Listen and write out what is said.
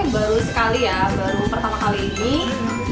baru sekali ya baru pertama kali ini